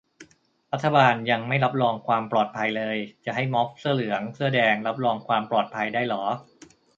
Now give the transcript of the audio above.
รัฐบาลยังไม่รับรองความปลอดภัยเลย จะให้ม็อบเสื้อเหลืองเสื้อแดงรับรองความปลอดภัยได้เหรอ